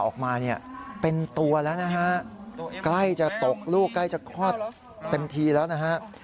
ใกล้จะตกลูกใกล้จะคลอดเต็มทีแล้วนะฮะ